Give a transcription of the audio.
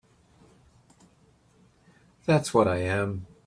That's what I am.